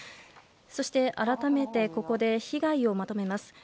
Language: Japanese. そして、改めて被害をまとめます。